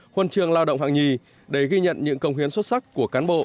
huân trường lao động hạng nhì để ghi nhận những công hiến xuất sắc của cán bộ